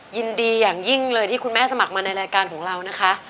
ยินดีอย่างยิ่งเลยที่คุณแม่สมัครมาในรายการของเรานะคะ